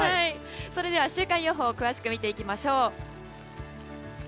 それでは週間予報を詳しく見ていきましょう。